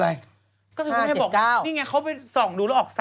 นี่ยังเขาเห็นสองเนื้อออก๓